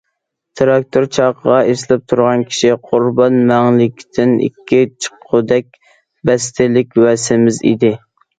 تىراكتور چاقىغا ئېسىلىپ تۇرغان كىشى قۇربان مەڭلىكتىن ئىككى چىققۇدەك بەستلىك ۋە سېمىز ئىدى.